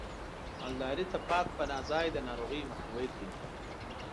مالدارۍ ته پاک پناه ځای د ناروغیو مخنیوی کوي.